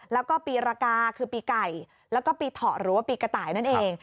แล้วก็ปีรากาคือปีไก่แล้วก็ปีเถาะหรือว่าปีกระต่ายนั่นเอง